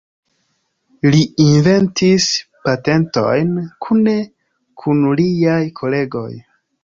Li inventis patentojn kune kun liaj kolegoj.